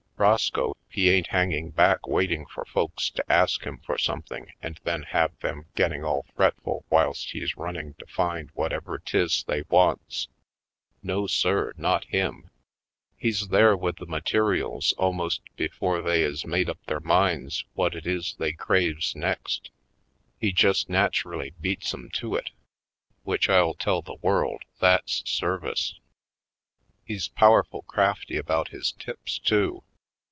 Roscoe he ain't hang ing back waiting for folks to ask him for something and then have them getting all fretful whilst he's running to find what ever 'tis they wants. No sir, not him. He's there with the materials almost before they North Bound 29 is made up their minds what it is they craves next. He just naturally beats 'em to it; which I'll tell the world that's service. He's powerful crafty about his tips, too.